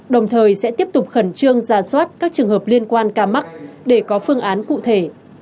đồng thời sẽ tiếp tục khẩn trương ra soát các trường hợp liên quan ca mắc để có phương án cụ thể